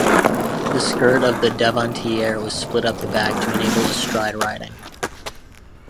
The skirt of the devantiere was split up the back to enable astride riding.